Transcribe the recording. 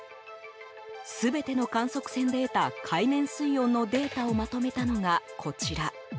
全ての観測船で得た海面水温のデータをまとめたのが、こちら。